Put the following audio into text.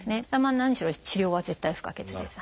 何しろ治療は絶対不可欠です。